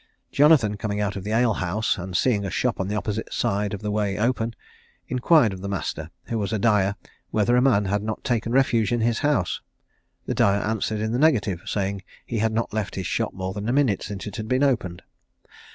Jonathan coming out of the ale house, and seeing a shop on the opposite side of the way open, inquired of the master, who was a dyer, whether a man had not taken refuge in his house? The dyer answered in the negative, saying he had not left his shop more than a minute since it had been opened.